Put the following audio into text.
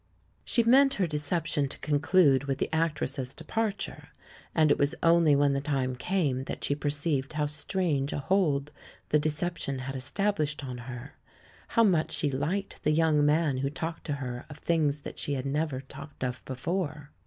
She meant her deception to conclude with the actress's departure; and it was only when the time came that she perceived how strange a hold the deception had established on her — how much THE LAURELS AND THE LADY 121 she liked the young man who talked to her of things that she had never heard talked of before.